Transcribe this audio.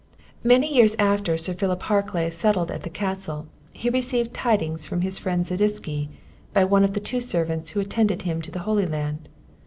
Many years after Sir Philip Harclay settled at the Castle, he received tidings from his friend Zadisky, by one of the two servants who attended him to the Holy Land.